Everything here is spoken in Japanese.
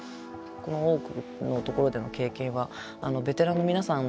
この「大奥」のところでの経験はベテランの皆さん